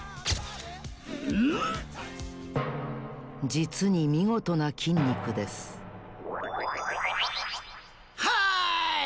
じつにみごとな筋肉ですはい！